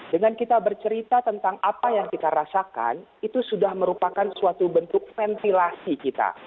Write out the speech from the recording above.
dengan kita bercerita tentang apa yang kita rasakan itu sudah merupakan suatu bentuk ventilasi kita